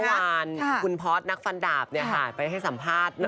เมื่อวานคุณพอร์ชนักฟันดากเนี่ยค่ะไปให้สัมภาษณ์